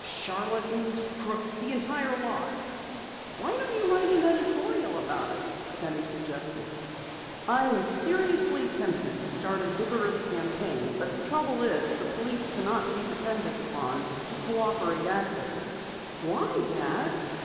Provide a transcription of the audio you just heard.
Charlatans, crooks the entire lot!" "Why don't you write an editorial about it?" Penny suggested. "An editorial! I am seriously tempted to start a vigorous campaign, but the trouble is, the police cannot be depended upon to cooperate actively." "Why, Dad?"